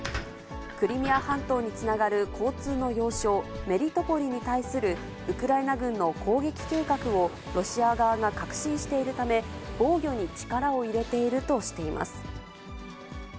クリミア半島につながる交通の要衝、メリトポリに対するウクライナ軍の攻撃計画を、ロシア側が確信しているため、防御に力を入れているとしています。